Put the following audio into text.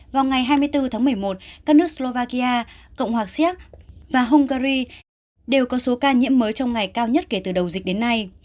vào ngày hai mươi bốn tháng một mươi một các nước slovakia cộng hòa xéc và hungary đều có số ca nhiễm mới trong ngày cao nhất kể từ đầu dịch đến nay